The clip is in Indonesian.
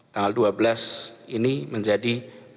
tanggal dua belas ini menjadi